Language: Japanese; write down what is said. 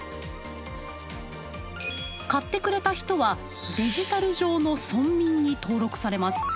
買ってくれた人はデジタル上の村民に登録されます。